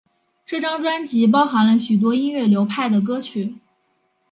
这张专辑包含了许多音乐流派的歌曲。